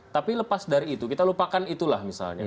tapi lepas dari itu kita lupakan itulah misalnya